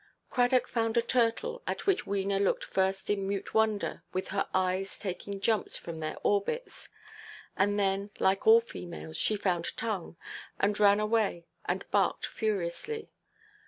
Cradock found a turtle, at which Wena looked first in mute wonder, with her eyes taking jumps from their orbits, and then, like all females, she found tongue, and ran away, and barked furiously.